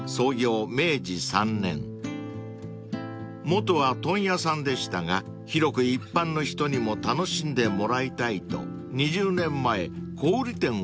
［元は問屋さんでしたが広く一般の人にも楽しんでもらいたいと２０年前小売店をスタート］